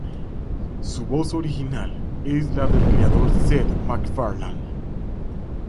Su voz original es la del creador Seth MacFarlane.